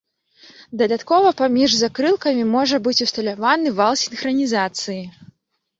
Дадаткова паміж закрылкамі можа быць усталяваны вал сінхранізацыі.